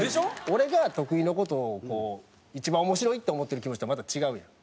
俺が徳井の事を一番面白いって思ってる気持ちとはまた違うやん。